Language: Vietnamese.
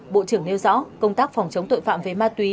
bộ trưởng nêu rõ công tác phòng chống tội phạm về ma túy